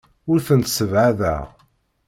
Ur tent-ssebɛadeɣ.